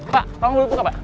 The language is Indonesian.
pak tolong lu buka pak